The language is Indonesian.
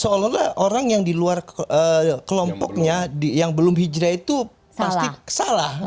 seolah olah orang yang di luar kelompoknya yang belum hijrah itu pasti salah